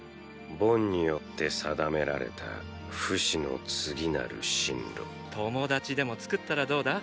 ボンによって定められたフシの次なる進路友達でも作ったらどうだ？